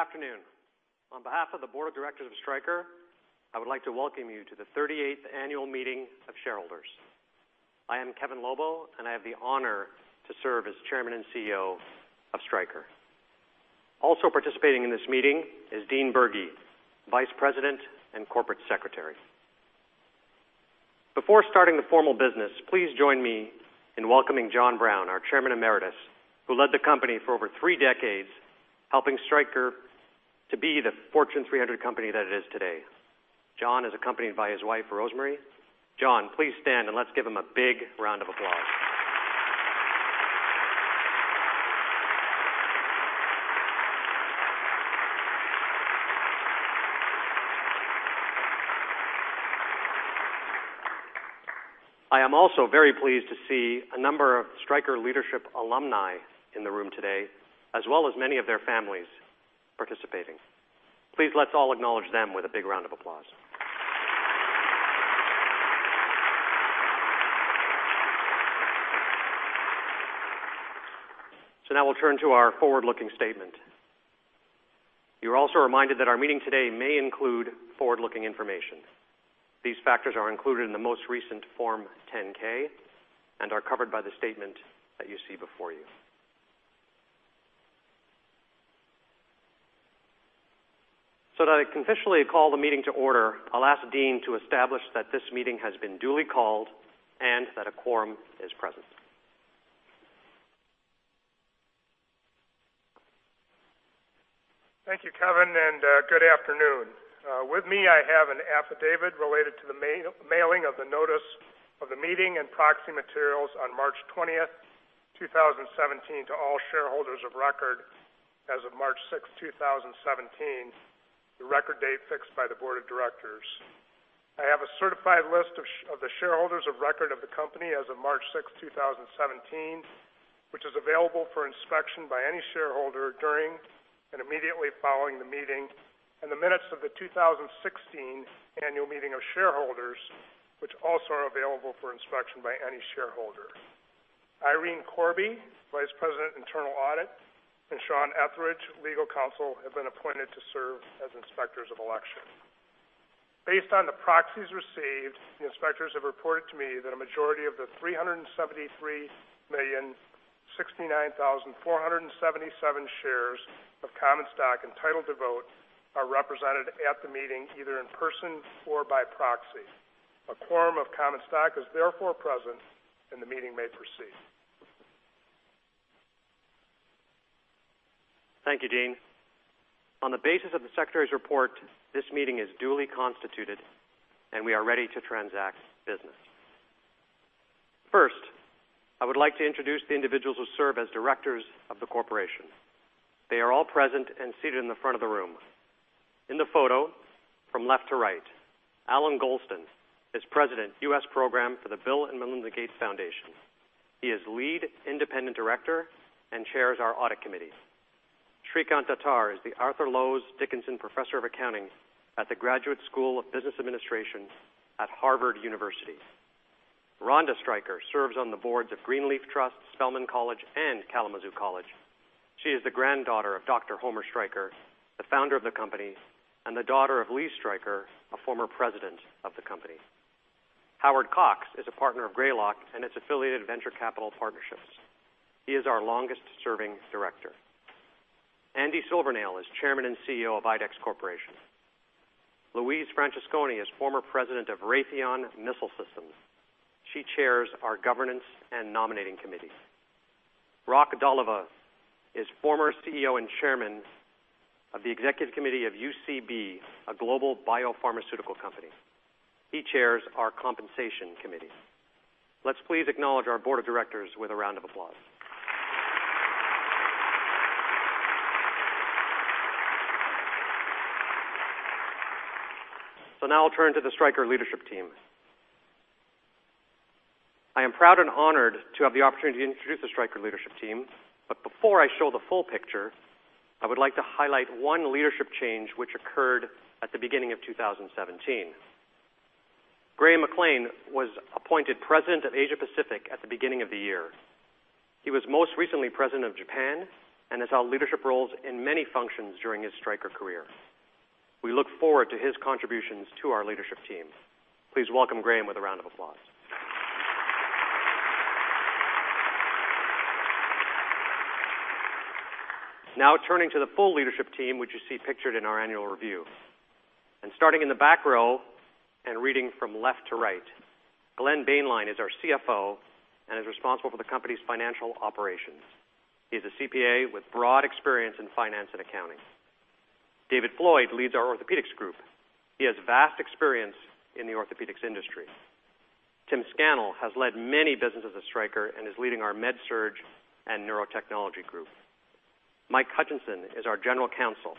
Good afternoon. On behalf of the board of directors of Stryker, I would like to welcome you to the 38th annual meeting of shareholders. I am Kevin Lobo, I have the honor to serve as chairman and CEO of Stryker. Also participating in this meeting is Dean Bergy, vice president and corporate secretary. Before starting the formal business, please join me in welcoming John Brown, our chairman emeritus, who led the company for over three decades, helping Stryker to be the Fortune 300 company that it is today. John is accompanied by his wife, Rosemary Brown. John, please stand, let's give him a big round of applause. I am also very pleased to see a number of Stryker leadership alumni in the room today, as well as many of their families participating. Let's all acknowledge them with a big round of applause. Now we'll turn to our forward-looking statement. You're also reminded that our meeting today may include forward-looking information. These factors are included in the most recent Form 10-K and are covered by the statement that you see before you. That I can officially call the meeting to order, I'll ask Dean to establish that this meeting has been duly called and that a quorum is present. Thank you, Kevin, good afternoon. With me, I have an affidavit related to the mailing of the notice of the meeting and proxy materials on March 20, 2017, to all shareholders of record as of March 6, 2017, the record date fixed by the board of directors. I have a certified list of the shareholders of record of the company as of March 6, 2017, which is available for inspection by any shareholder during and immediately following the meeting. The minutes of the 2016 annual meeting of shareholders, which also are available for inspection by any shareholder. Irene Corbe, vice president, internal audit, and Sean Etheridge, legal counsel, have been appointed to serve as inspectors of election. Based on the proxies received, the inspectors have reported to me that a majority of the 373,069,477 shares of common stock entitled to vote are represented at the meeting, either in person or by proxy. A quorum of common stock is therefore present, the meeting may proceed. Thank you, Dean. On the basis of the secretary's report, this meeting is duly constituted, and we are ready to transact business. First, I would like to introduce the individuals who serve as directors of the corporation. They are all present and seated in the front of the room. In the photo, from left to right: Allan Golston is president, U.S. Program for the Bill & Melinda Gates Foundation. He is lead independent director and chairs our audit committee. Srikant Datar is the Arthur Lowes Dickinson Professor of Accounting at the Graduate School of Business Administration at Harvard University. Ronda Stryker serves on the boards of Greenleaf Trust, Spelman College, and Kalamazoo College. She is the granddaughter of Dr. Homer Stryker, the founder of the company, and the daughter of Lee Stryker, a former president of the company. Howard Cox is a partner of Greylock and its affiliated venture capital partnerships. He is our longest-serving director. Andy Silvernail is Chairman and CEO of IDEX Corporation. Louise Francesconi is former president of Raytheon Missile Systems. She chairs our governance and nominating committee. Roch Doliveux is former CEO and chairman of the executive committee of UCB, a global biopharmaceutical company. He chairs our compensation committee. Let's please acknowledge our board of directors with a round of applause. Now I'll turn to the Stryker leadership team. I am proud and honored to have the opportunity to introduce the Stryker leadership team. Before I show the full picture, I would like to highlight one leadership change which occurred at the beginning of 2017. Graham McLean was appointed president of Asia Pacific at the beginning of the year. He was most recently president of Japan and has held leadership roles in many functions during his Stryker career. We look forward to his contributions to our leadership team. Please welcome Graham with a round of applause. Now turning to the full leadership team, which you see pictured in our annual review. Starting in the back row and reading from left to right: Glenn Boehnlein is our CFO and is responsible for the company's financial operations. He's a CPA with broad experience in finance and accounting. David Floyd leads our Orthopaedics group. He has vast experience in the Orthopaedics industry. Tim Scannell has led many businesses at Stryker and is leading our MedSurg and Neurotechnology group. Mike Hutchinson is our general counsel.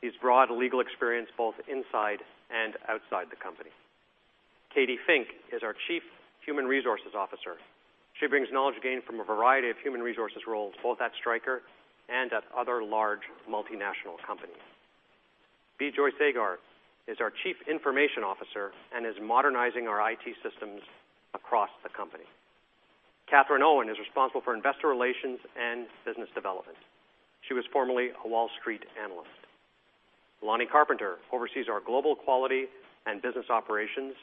He has broad legal experience both inside and outside the company. Katie Fink is our Chief Human Resources Officer. She brings knowledge gained from a variety of human resources roles, both at Stryker and at other large multinational companies. Bijoy Sagar is our Chief Information Officer and is modernizing our IT systems across the company. Katherine Owen is responsible for investor relations and business development. She was formerly a Wall Street analyst. Lonny Carpenter oversees our global quality and business operations,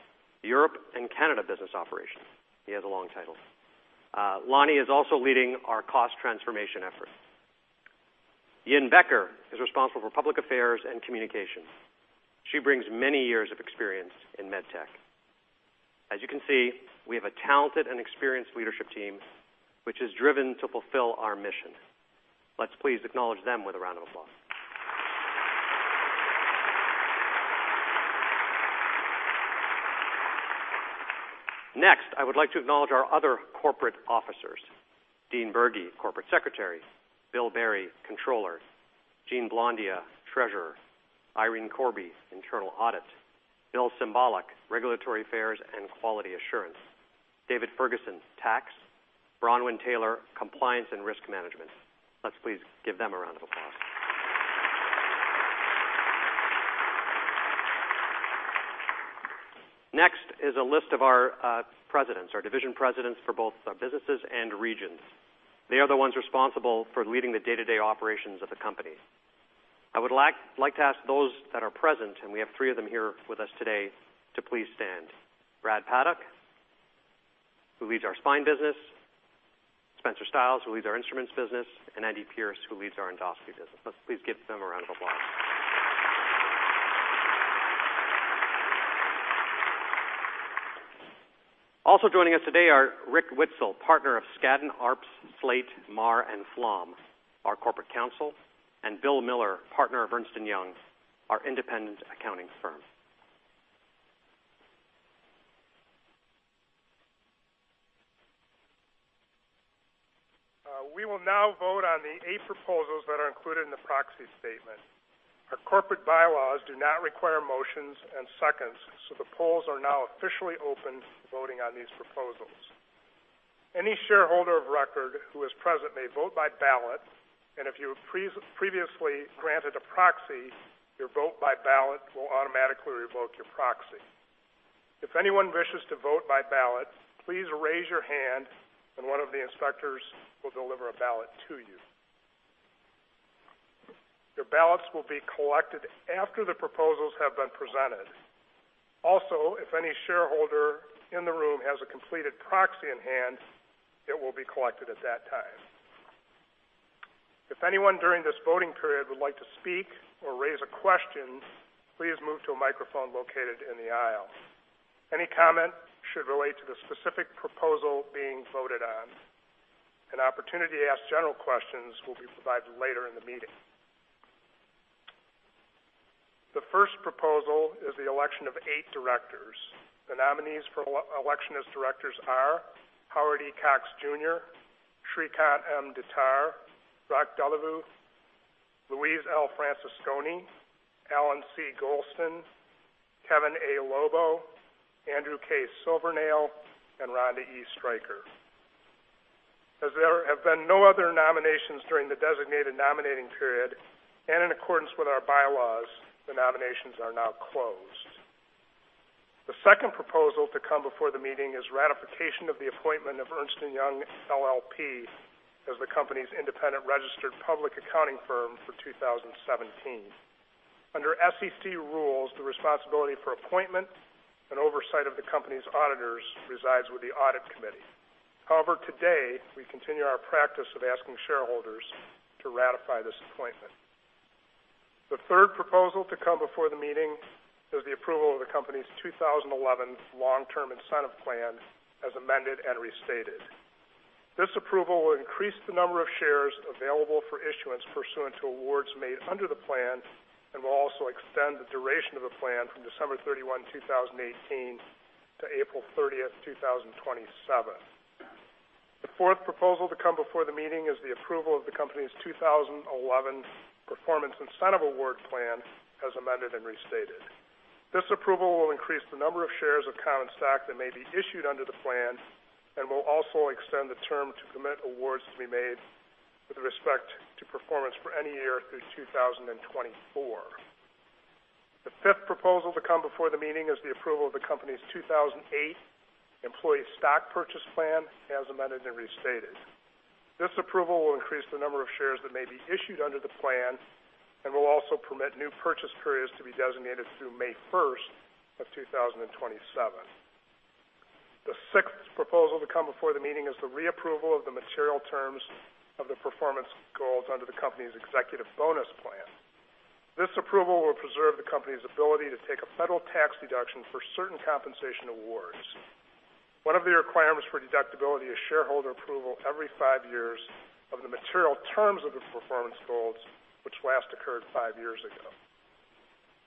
Europe and Canada business operations. He has a long title. Lonny is also leading our cost transformation effort. Yin Becker is responsible for public affairs and communications. She brings many years of experience in med tech. As you can see, we have a talented and experienced leadership team, which is driven to fulfill our mission. Let's please acknowledge them with a round of applause. Next, I would like to acknowledge our other corporate officers. Dean H. Bergy, corporate secretary, William Berry, controller, Jeanne Blondia, treasurer, Irene B. Corbe, internal audit, William Jellison, regulatory affairs and quality assurance, David Ferguson, tax, Bronwen Taylor, compliance and risk management. Let's please give them a round of applause. Next is a list of our presidents, our division presidents for both our businesses and regions. They are the ones responsible for leading the day-to-day operations of the company. I would like to ask those that are present, and we have three of them here with us today, to please stand. Bradley Paddock, who leads our spine business, Spencer Stiles, who leads our instruments business, and Andy Pierce, who leads our endoscopy business. Let's please give them a round of applause. Also joining us today are Richard Witzel, partner of Skadden, Arps, Slate, Meagher & Flom, our corporate counsel, and William Miller, partner of Ernst & Young, our independent accounting firm. We will now vote on the eight proposals that are included in the proxy statement. Our corporate bylaws do not require motions and seconds. The polls are now officially open for voting on these proposals. Any shareholder of record who is present may vote by ballot, and if you have previously granted a proxy, your vote by ballot will automatically revoke your proxy. If anyone wishes to vote by ballot, please raise your hand, and one of the inspectors will deliver a ballot to you. Your ballots will be collected after the proposals have been presented. If any shareholder in the room has a completed proxy in hand, it will be collected at that time. If anyone during this voting period would like to speak or raise a question, please move to a microphone located in the aisle. Any comment should relate to the specific proposal being voted on. An opportunity to ask general questions will be provided later in the meeting. The first proposal is the election of eight directors. The nominees for election as directors are Howard E. Cox Jr., Srikant M. Datar, Roch Doliveux, Louise L. Francesconi, Allan C. Golston, Kevin A. Lobo, Andrew K. Silvernail, and Ronda E. Stryker. There have been no other nominations during the designated nominating period, and in accordance with our bylaws, the nominations are now closed. The second proposal to come before the meeting is ratification of the appointment of Ernst & Young LLP as the company's independent registered public accounting firm for 2017. Under SEC rules, the responsibility for appointment and oversight of the company's auditors resides with the audit committee. Today, we continue our practice of asking shareholders to ratify this appointment. The third proposal to come before the meeting is the approval of the company's 2011 Long-Term Incentive Plan as amended and restated. This approval will increase the number of shares available for issuance pursuant to awards made under the plan and will also extend the duration of the plan from December 31, 2018 to April 30th, 2027. The fourth proposal to come before the meeting is the approval of the company's 2011 Performance Incentive Award Plan as amended and restated. This approval will increase the number of shares of common stock that may be issued under the plan and will also extend the term to permit awards to be made with respect to performance for any year through 2024. The fifth proposal to come before the meeting is the approval of the company's 2008 Employee Stock Purchase Plan as amended and restated. This approval will increase the number of shares that may be issued under the plan and will also permit new purchase periods to be designated through May 1st of 2027. The sixth proposal to come before the meeting is the re-approval of the material terms of the performance goals under the company's Executive Bonus Plan. This approval will preserve the company's ability to take a federal tax deduction for certain compensation awards. One of the requirements for deductibility is shareholder approval every five years of the material terms of the performance goals, which last occurred five years ago.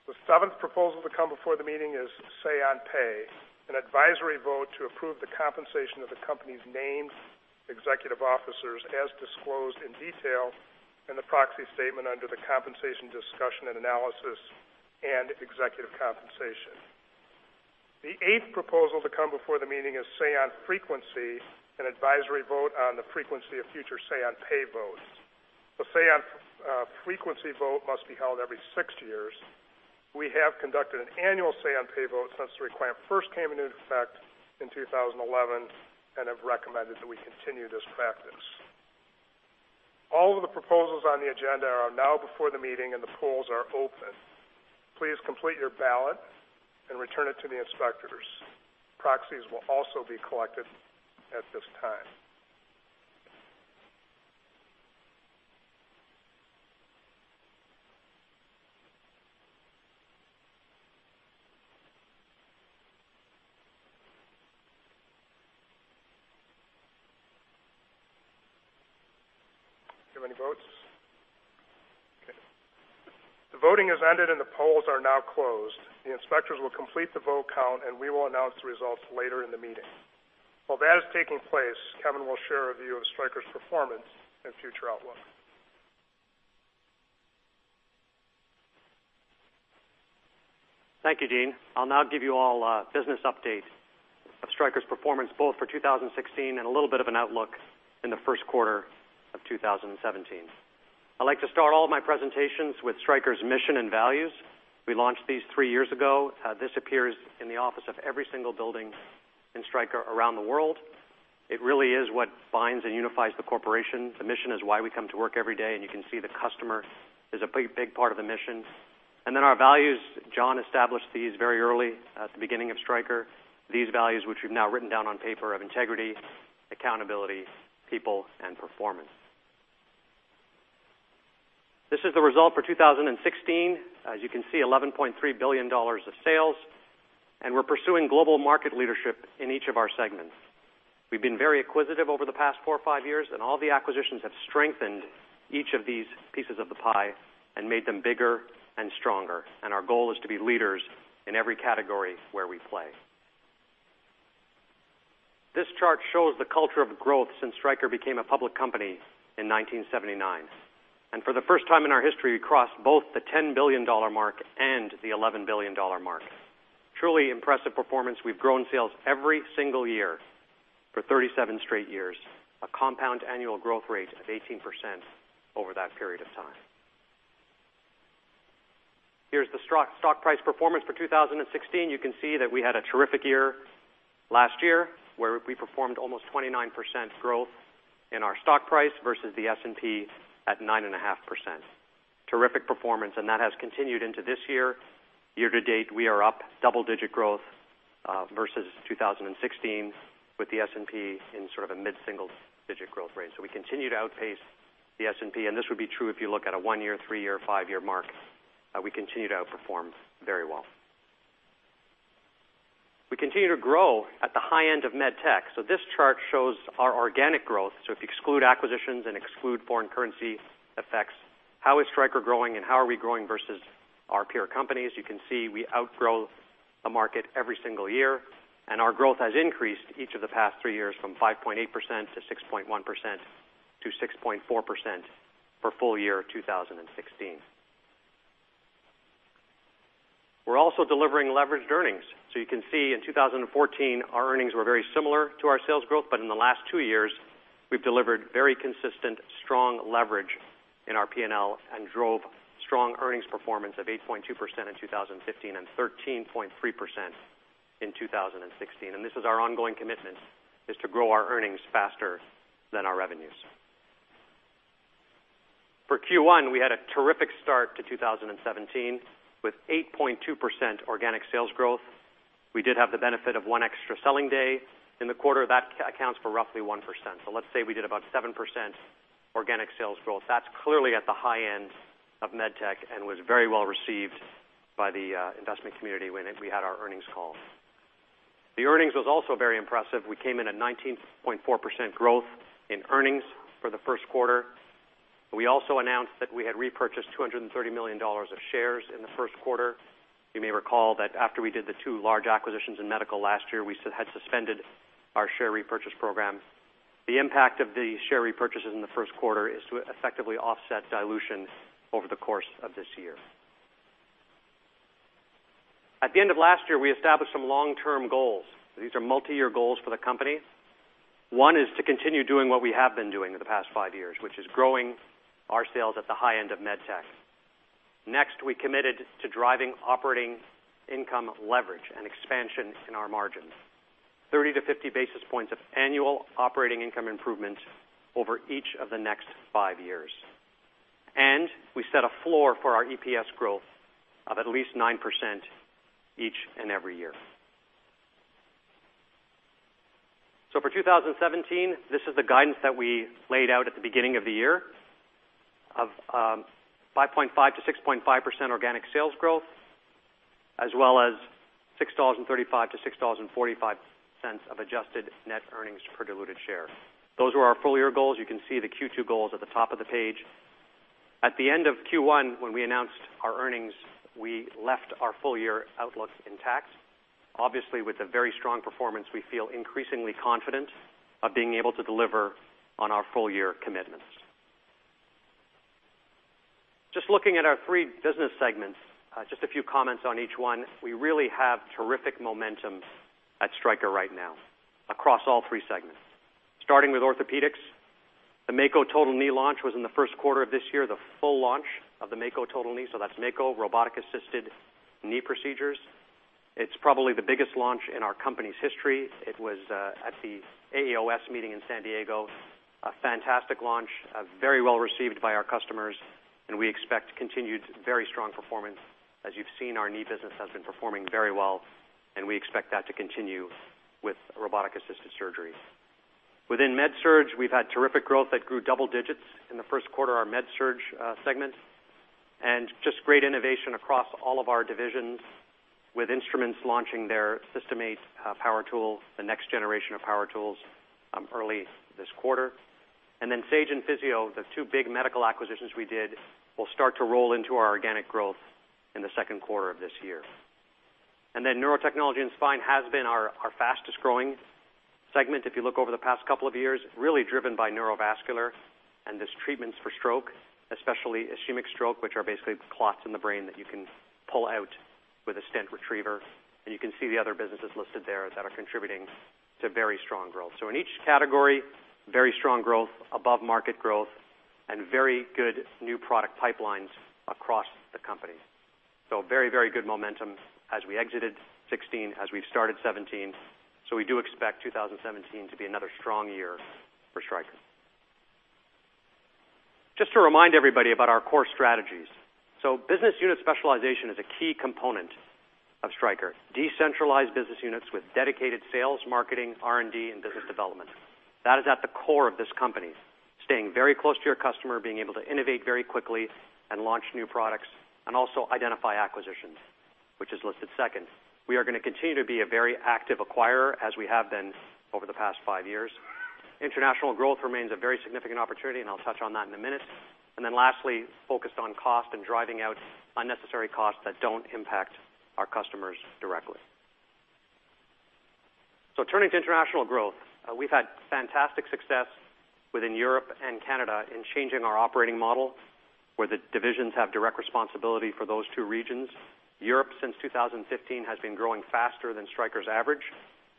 The seventh proposal to come before the meeting is Say on Pay, an advisory vote to approve the compensation of the company's named executive officers as disclosed in detail in the proxy statement under the Compensation Discussion and Analysis and Executive Compensation. The eighth proposal to come before the meeting is Say on Frequency, an advisory vote on the frequency of future Say on Pay votes. The Say on Frequency vote must be held every six years. We have conducted an annual Say on Pay vote since the requirement first came into effect in 2011 and have recommended that we continue this practice. All of the proposals on the agenda are now before the meeting and the polls are open. Please complete your ballot and return it to the inspectors. Proxies will also be collected at this time. Do you have any votes? Okay. The voting has ended, the polls are now closed. The inspectors will complete the vote count, we will announce the results later in the meeting. While that is taking place, Kevin will share a view of Stryker's performance and future outlook. Thank you, Dean. I'll now give you all a business update of Stryker's performance, both for 2016 and a little bit of an outlook in the first quarter of 2017. I'd like to start all of my presentations with Stryker's mission and values. We launched these three years ago. This appears in the office of every single building in Stryker around the world. It really is what binds and unifies the corporation. The mission is why we come to work every day, you can see the customer is a pretty big part of the mission. Then our values, John established these very early at the beginning of Stryker. These values, which we've now written down on paper, of integrity, accountability, people, and performance. This is the result for 2016. As you can see, $11.3 billion of sales, and we're pursuing global market leadership in each of our segments. We've been very acquisitive over the past four or five years, and all the acquisitions have strengthened each of these pieces of the pie and made them bigger and stronger. Our goal is to be leaders in every category where we play. This chart shows the culture of growth since Stryker became a public company in 1979. For the first time in our history, we crossed both the $10 billion mark and the $11 billion mark. Truly impressive performance. We've grown sales every single year for 37 straight years, a compound annual growth rate of 18% over that period of time. Here's the stock price performance for 2016. You can see that we had a terrific year last year, where we performed almost 29% growth in our stock price versus the S&P at 9.5%. That has continued into this year. Year to date, we are up double-digit growth, versus 2016, with the S&P in sort of a mid-single digit growth rate. We continue to outpace the S&P, and this would be true if you look at a one-year, three-year, five-year mark. We continue to outperform very well. We continue to grow at the high end of med tech. This chart shows our organic growth. If you exclude acquisitions and exclude foreign currency effects, how is Stryker growing and how are we growing versus our peer companies? You can see we outgrow the market every single year, and our growth has increased each of the past three years from 5.8% to 6.1% to 6.4% for full year 2016. We're also delivering leveraged earnings. You can see in 2014, our earnings were very similar to our sales growth, but in the last two years, we've delivered very consistent, strong leverage in our P&L and drove strong earnings performance of 8.2% in 2015 and 13.3% in 2016. This is our ongoing commitment, is to grow our earnings faster than our revenues. For Q1, we had a terrific start to 2017 with 8.2% organic sales growth. We did have the benefit of one extra selling day in the quarter. That accounts for roughly 1%. Let's say we did about 7% organic sales growth. That's clearly at the high end of med tech and was very well received by the investment community when we had our earnings call. The earnings was also very impressive. We came in at 19.4% growth in earnings for the first quarter. We also announced that we had repurchased $230 million of shares in the first quarter. You may recall that after we did the two large acquisitions in medical last year, we had suspended our share repurchase program. The impact of the share repurchases in the first quarter is to effectively offset dilution over the course of this year. At the end of last year, we established some long-term goals. These are multi-year goals for the company. One is to continue doing what we have been doing for the past five years, which is growing our sales at the high end of med tech. We committed to driving operating income leverage and expansion in our margins. Thirty to 50 basis points of annual operating income improvement over each of the next five years. And we set a floor for our EPS growth of at least 9% each and every year. For 2017, this is the guidance that we laid out at the beginning of the year of 5.5%-6.5% organic sales growth, as well as $6.35-$6.45 of adjusted net earnings per diluted share. Those were our full-year goals. You can see the Q2 goals at the top of the page. At the end of Q1, when we announced our earnings, we left our full-year outlook intact. Obviously, with a very strong performance, we feel increasingly confident of being able to deliver on our full-year commitments. Looking at our three business segments, a few comments on each one. We really have terrific momentum at Stryker right now across all three segments. Starting with Orthopaedics, the Mako total knee launch was in the first quarter of this year, the full launch of the Mako total knee. That's Mako robotic-assisted knee procedures. It's probably the biggest launch in our company's history. It was at the AAOS meeting in San Diego, a fantastic launch, very well received by our customers, and we expect continued very strong performance. As you've seen, our knee business has been performing very well, and we expect that to continue with robotic-assisted surgery. Within MedSurg, we've had terrific growth that grew double digits in the first quarter, our MedSurg segment, and great innovation across all of our divisions with instruments launching their System 8 power tool, the next generation of power tools, early this quarter. Sage and Physio, the two big medical acquisitions we did, will start to roll into our organic growth in the second quarter of this year. Neurotechnology and Spine has been our fastest-growing segment, if you look over the past couple of years, really driven by neurovascular and these treatments for stroke, especially ischemic stroke, which are basically clots in the brain that you can pull out with a stent retriever. You can see the other businesses listed there that are contributing to very strong growth. In each category, very strong growth, above-market growth, and very good new product pipelines across the company. Very good momentum as we exited 2016, as we've started 2017. We do expect 2017 to be another strong year for Stryker. Just to remind everybody about our core strategies. Business unit specialization is a key component of Stryker. Decentralized business units with dedicated sales, marketing, R&D, and business development. That is at the core of this company, staying very close to your customer, being able to innovate very quickly and launch new products, and also identify acquisitions, which is listed second. We are going to continue to be a very active acquirer as we have been over the past five years. International growth remains a very significant opportunity, and I'll touch on that in a minute. Lastly, focused on cost and driving out unnecessary costs that don't impact our customers directly. Turning to international growth, we've had fantastic success within Europe and Canada in changing our operating model where the divisions have direct responsibility for those two regions. Europe, since 2015, has been growing faster than Stryker's average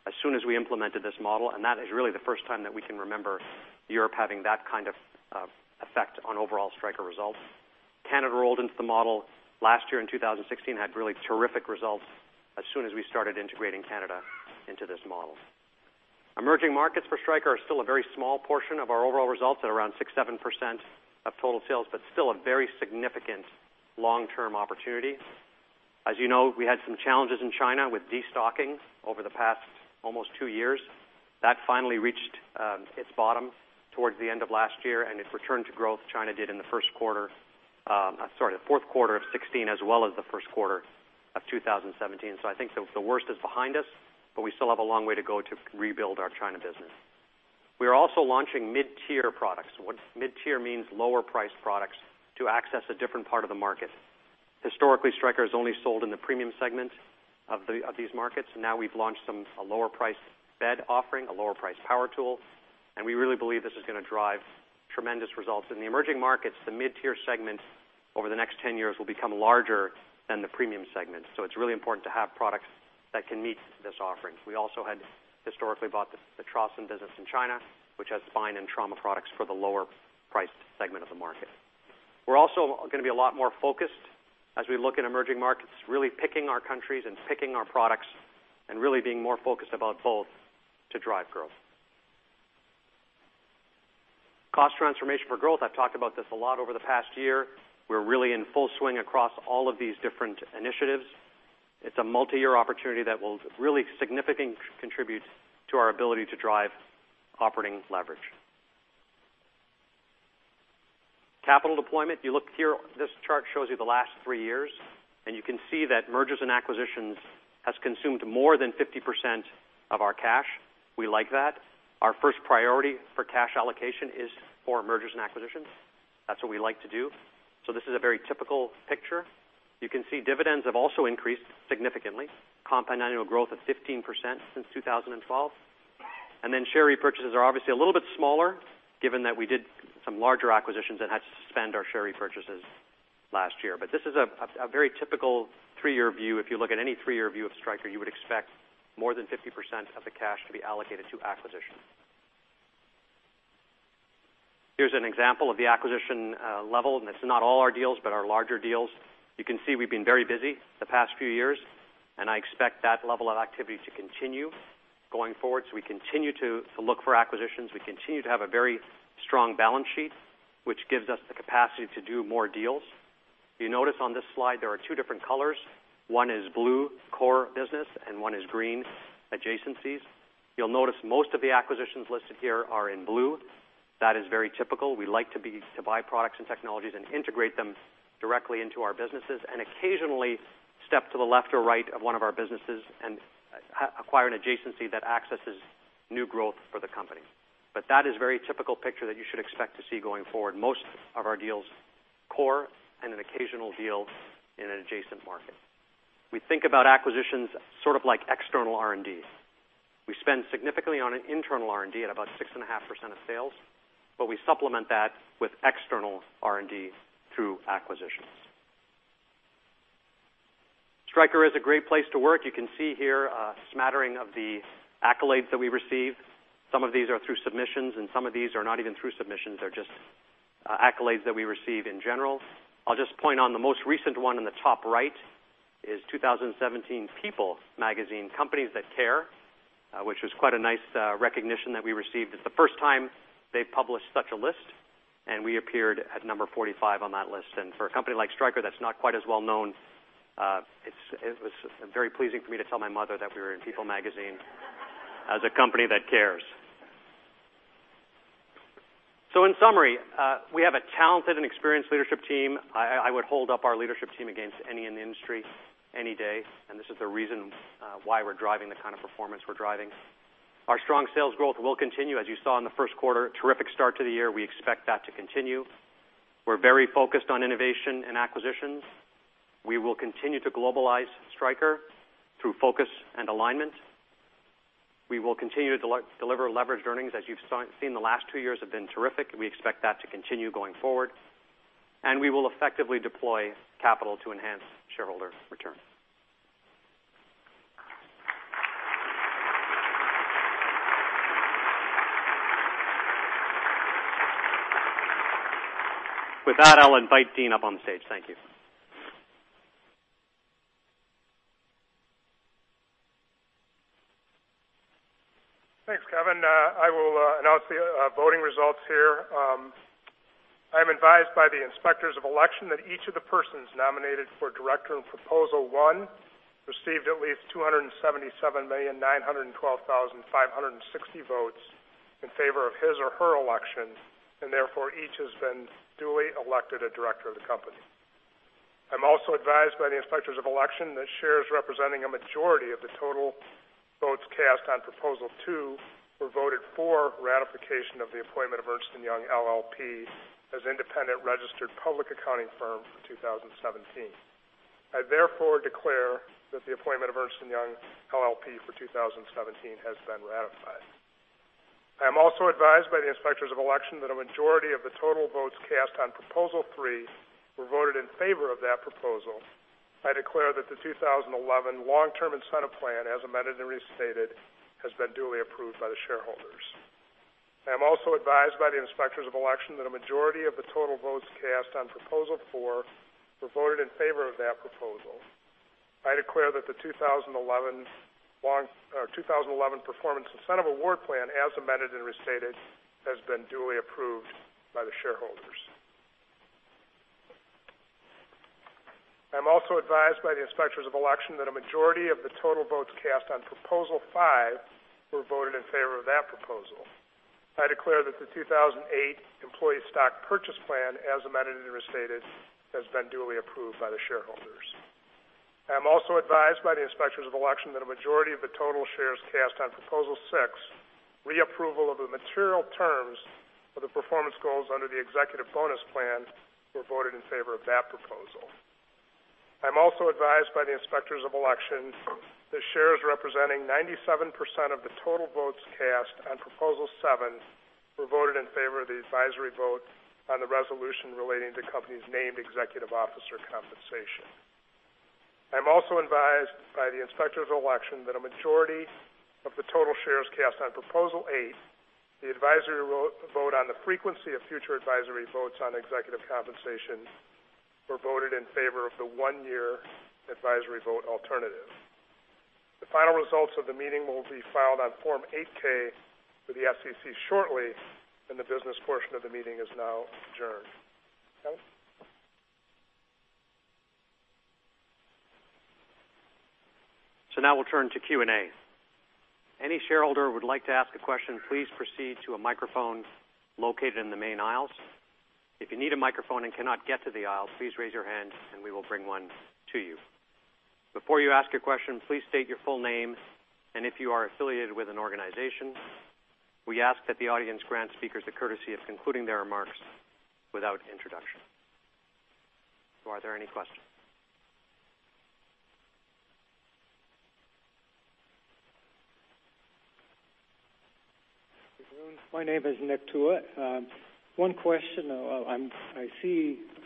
as soon as we implemented this model, and that is really the first time that we can remember Europe having that kind of effect on overall Stryker results. Canada rolled into the model last year in 2016, had really terrific results as soon as we started integrating Canada into this model. Emerging markets for Stryker are still a very small portion of our overall results at around 6%-7% of total sales, but still a very significant long-term opportunity. As you know, we had some challenges in China with destocking over the past almost 2 years. That finally reached its bottom towards the end of last year, and it returned to growth, China did in the first quarter, sorry, the fourth quarter of 2016 as well as the first quarter of 2017. I think the worst is behind us, but we still have a long way to go to rebuild our China business. We are also launching mid-tier products. Mid-tier means lower-priced products to access a different part of the market. Historically, Stryker has only sold in the premium segment of these markets, now we've launched a lower-priced bed offering, a lower-priced power tool, and we really believe this is going to drive tremendous results. In the emerging markets, the mid-tier segment over the next 10 years will become larger than the premium segment. It's really important to have products that can meet this offering. We also had historically bought the Trauson business in China, which has spine and trauma products for the lower-priced segment of the market. We're also going to be a lot more focused as we look in emerging markets, really picking our countries and picking our products, and really being more focused about both to drive growth. Cost transformation for growth. I've talked about this a lot over the past year. We're really in full swing across all of these different initiatives. It's a multi-year opportunity that will really significantly contribute to our ability to drive operating leverage. Capital deployment. If you look here, this chart shows you the last 3 years, and you can see that mergers and acquisitions has consumed more than 50% of our cash. We like that. Our first priority for cash allocation is for mergers and acquisitions. That's what we like to do. This is a very typical picture. You can see dividends have also increased significantly, compound annual growth of 15% since 2012. Share repurchases are obviously a little bit smaller, given that we did some larger acquisitions and had to suspend our share repurchases last year. This is a very typical 3-year view. If you look at any 3-year view of Stryker, you would expect more than 50% of the cash to be allocated to acquisitions. Here's an example of the acquisition level, and it's not all our deals, but our larger deals. You can see we've been very busy the past few years, and I expect that level of activity to continue going forward. We continue to look for acquisitions. We continue to have a very strong balance sheet, which gives us the capacity to do more deals. If you notice on this slide, there are 2 different colors. One is blue, core business, and one is green, adjacencies. You'll notice most of the acquisitions listed here are in blue. That is very typical. We like to buy products and technologies and integrate them directly into our businesses and occasionally step to the left or right of one of our businesses and acquire an adjacency that accesses new growth for the company. That is a very typical picture that you should expect to see going forward. Most of our deals core and an occasional deal in an adjacent market. We think about acquisitions sort of like external R&D. We spend significantly on internal R&D at about 6.5% of sales, but we supplement that with external R&D through acquisitions. Stryker is a great place to work. You can see here a smattering of the accolades that we receive. Some of these are through submissions, and some of these are not even through submissions, they're just accolades that we receive in general. I'll just point on the most recent one on the top right, is 2017 People Magazine Companies That Care, which was quite a nice recognition that we received. It's the first time they've published such a list, and we appeared at number 45 on that list. For a company like Stryker that's not quite as well-known, it was very pleasing for me to tell my mother that we were in People Magazine as a company that cares. In summary, we have a talented and experienced leadership team. I would hold up our leadership team against any in the industry any day, and this is the reason why we're driving the kind of performance we're driving. Our strong sales growth will continue. As you saw in the first quarter, terrific start to the year. We expect that to continue. We're very focused on innovation and acquisitions. We will continue to globalize Stryker through focus and alignment. We will continue to deliver leveraged earnings. As you've seen, the last two years have been terrific. We expect that to continue going forward. We will effectively deploy capital to enhance shareholder return. With that, I'll invite Dean up on stage. Thank you. Thanks, Kevin. I will announce the voting results here. I'm advised by the Inspectors of Election that each of the persons nominated for Director in Proposal 1 received at least 277,912,560 votes in favor of his or her election, and therefore each has been duly elected a director of the company. I'm also advised by the Inspectors of Election that shares representing a majority of the total votes cast on Proposal 2 were voted for ratification of the appointment of Ernst & Young LLP as independent registered public accounting firm for 2017. I therefore declare that the appointment of Ernst & Young LLP for 2017 has been ratified. I am also advised by the Inspectors of Election that a majority of the total votes cast on Proposal 3 were voted in favor of that proposal. I declare that the 2011 Long-Term Incentive Plan, as amended and restated, has been duly approved by the shareholders. I am also advised by the Inspectors of Election that a majority of the total votes cast on Proposal Four were voted in favor of that proposal. I declare that the 2011 Performance Incentive Award Plan, as amended and restated, has been duly approved by the shareholders. I'm also advised by the Inspectors of Election that a majority of the total votes cast on Proposal Five were voted in favor of that proposal. I declare that the 2008 Employee Stock Purchase Plan, as amended and restated, has been duly approved by the shareholders. I'm also advised by the Inspectors of Election that a majority of the total shares cast on Proposal Six, reapproval of the material terms of the performance goals under the Executive Bonus Plan, were voted in favor of that proposal. I'm also advised by the Inspectors of Election that shares representing 97% of the total votes cast on Proposal Seven were voted in favor of the advisory vote on the resolution relating to companies named executive officer compensation. I'm also advised by the Inspectors of Election that a majority of the total shares cast on Proposal Eight, the advisory vote on the frequency of future advisory votes on executive compensation, were voted in favor of the one-year advisory vote alternative. The final results of the meeting will be filed on Form 8-K with the SEC shortly. The business portion of the meeting is now adjourned. Kevin. Now we'll turn to Q&A. Any shareholder who would like to ask a question, please proceed to a microphone located in the main aisles. If you need a microphone and cannot get to the aisles, please raise your hand and we will bring one to you. Before you ask your question, please state your full name and if you are affiliated with an organization. We ask that the audience grant speakers the courtesy of concluding their remarks without introduction. Are there any questions? Good afternoon. My name is Nick Tua. One question.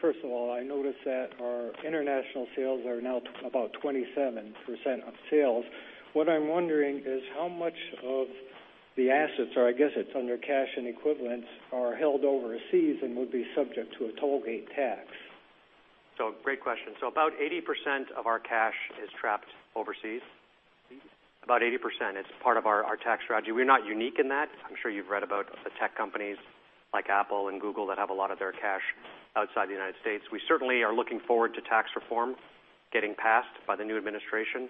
First of all, I notice that our international sales are now about 27% of sales. What I'm wondering is how much of the assets, or I guess it's under cash and equivalents, are held overseas and would be subject to a tollgate tax? Great question. About 80% of our cash is trapped overseas. Eighty? About 80%. It's part of our tax strategy. We're not unique in that. I'm sure you've read about the tech companies like Apple and Google that have a lot of their cash outside the United States. We certainly are looking forward to tax reform getting passed by the new administration,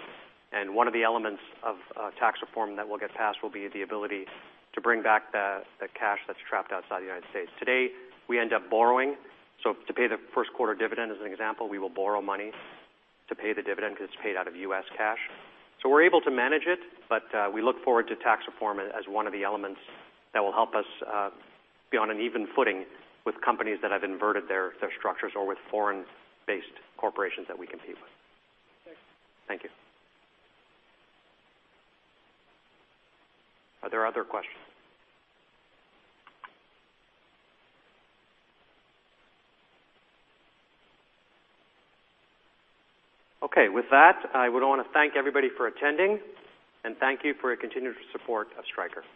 one of the elements of tax reform that will get passed will be the ability to bring back the cash that's trapped outside the United States. Today, we end up borrowing. To pay the first quarter dividend, as an example, we will borrow money to pay the dividend, because it's paid out of U.S. cash. We're able to manage it, but we look forward to tax reform as one of the elements that will help us be on an even footing with companies that have inverted their structures or with foreign-based corporations that we compete with. Thanks. Thank you. Are there other questions? With that, I would want to thank everybody for attending, thank you for your continued support of Stryker.